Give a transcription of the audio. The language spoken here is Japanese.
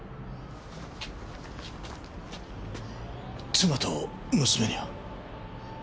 妻と娘には。